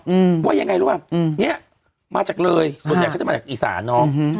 อืมว่ายังไงรู้ป่ะอืมเนี้ยมาจากเลยส่วนใหญ่เขาจะมาจากอีสานเนอะอืม